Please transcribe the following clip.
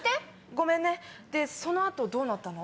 ごめんねでその後どうなったの？